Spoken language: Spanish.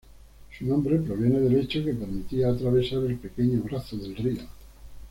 Su nombre proviene del hecho que permitía atravesar el pequeño brazo del río.